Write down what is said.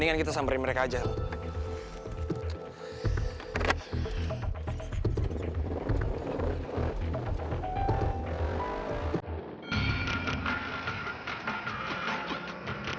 yang jadi korban bukan cuma anak warior